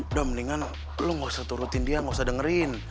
udah mendingan lu gak usah turutin dia nggak usah dengerin